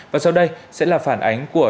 và sau đây sẽ là phản ánh của